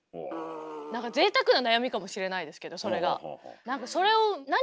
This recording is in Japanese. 何かぜいたくな悩みかもしれないですけどそれが。